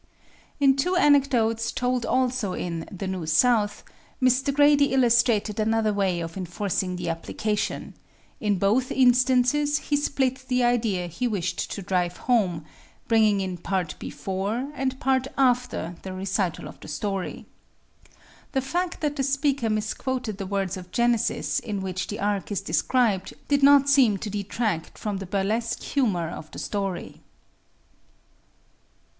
In two anecdotes, told also in "The New South," Mr. Grady illustrated another way of enforcing the application: in both instances he split the idea he wished to drive home, bringing in part before and part after the recital of the story. The fact that the speaker misquoted the words of Genesis in which the Ark is described did not seem to detract from the burlesque humor of the story.